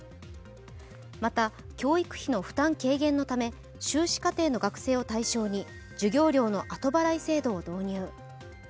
また、教育費の負担軽減のため修士課程の学生を対象に授業料の後払い制度を導入。